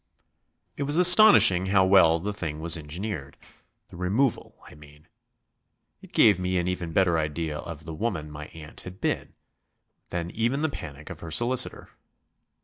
It was astonishing how well the thing was engineered; the removal, I mean. It gave me an even better idea of the woman my aunt had been than even the panic of her solicitor.